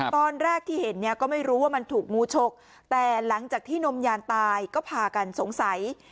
ตอนแรกที่เห็นเนี่ยก็ไม่รู้ว่ามันถูกงูฉกแต่หลังจากที่นมยานตายก็พากันสงสัย